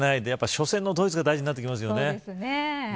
初戦のドイツが大事になってきますよね。